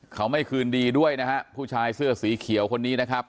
เขาไม่คืนดีด้วยนะฮะผู้ชายเสื้อสีเขียวคนนี้นะครับ